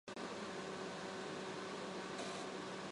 访华期间会见中国国务院总理温家宝。